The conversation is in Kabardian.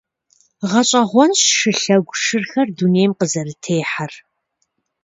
Гъэщӏэгъуэнщ шылъэгу шырхэр дунейм къызэрытехьэр.